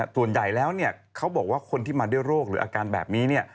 ส่วนใหญ่แล้วเขาบอกว่าคนที่มาเรื่องโรคหรืออาการแบบนี้